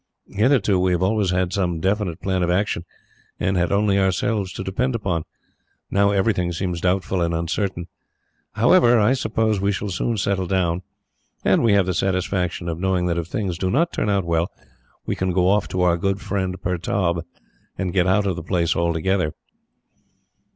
Hitherto, we have always had some definite plan of action, and had only ourselves to depend upon. Now, everything seems doubtful and uncertain. However, I suppose we shall soon settle down; and we have the satisfaction of knowing that, if things do not turn out well, we can go off to our good friend Pertaub, and get out of the place altogether."